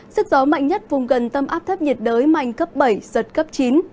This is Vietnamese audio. sức gió mạnh nhất vùng gần tâm áp thấp nhiệt đới mạnh cấp bảy giật cấp chín